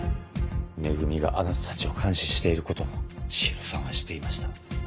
「め組」があなたたちを監視していることも千尋さんは知っていました。